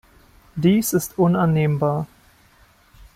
Dies ist unannehmbar.